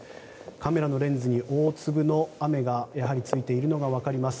カメラのレンズに大粒の雨がついているのが分かります。